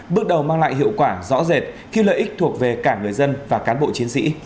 bước đầu mang lại hiệu quả rõ rệt khi lợi ích thuộc về cả người dân và cán bộ chiến sĩ